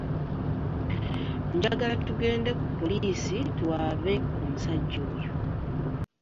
Njagala tugenda ku poliisi tuwaabe omusajja oyo.